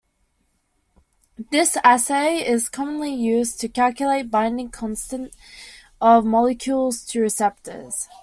This assay is commonly used to calculate binding constant of molecules to receptors.